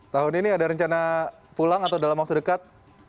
tahun ini ada rencana pulang atau dalam waktu dekat